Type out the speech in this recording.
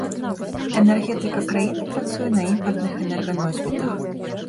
Энергетыка краіны працуе на імпартных энерганосьбітах.